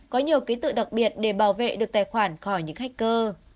có nhiều ký tự đặc biệt để bảo vệ được tài khoản khỏi những hách cơ